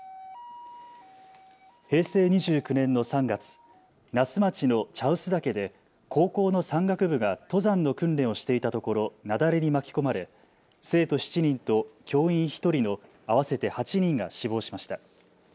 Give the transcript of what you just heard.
平成２９年の３月、那須町の茶臼岳で高校の山岳部が登山の訓練をしていたところ雪崩に巻き込まれ生徒７人と教員１人の合わせて８人が死亡しました。